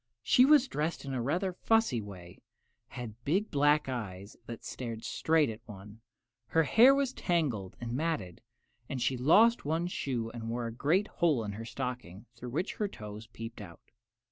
She was dressed in a rather fussy way, and had big black eyes that stared straight at one. Her hair was tangled and matted, and she had lost one shoe and worn a great hole in her stocking, through which her toes peeped out.